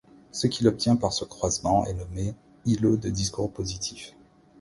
Ce qu'il obtient par ce croisement est nommé îlot de discours positif.